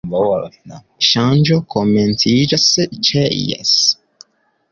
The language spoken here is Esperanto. Ŝanĝo komenciĝas ĉe Jes!